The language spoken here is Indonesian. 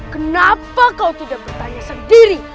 kenapa kau tidak bertanya sendiri